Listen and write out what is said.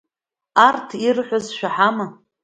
Арҭ ирҳәаз шәаҳама?